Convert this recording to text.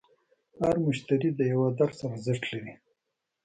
هر مشتری د یوه درس ارزښت لري.